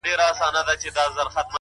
• ته په خپل سیوري کي ورک یې ,